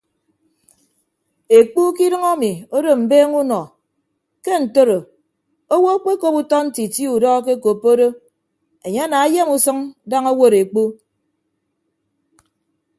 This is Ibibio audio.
Ekpu ke idʌñ emi odo mbeeñe unọ ke ntoro owo akpekop utọ ntiti udọ akekoppo do enye ana ayem usʌñ daña owod ekpu.